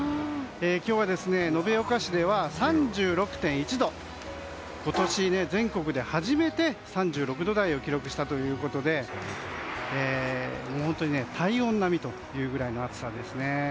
今日は、延岡市では３６．１度今年全国で初めて３６度台を記録したということで本当に体温並みの暑さですね。